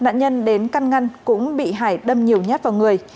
nạn nhân đến căn ngăn cũng bị hải đâm nhiều nhát vào người